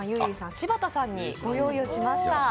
柴田さんにご用意をしました。